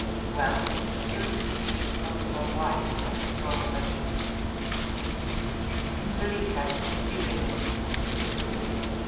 Well, here is the speech of Potiphar's wife under strong emotion: ZULEEKHA (seizing him).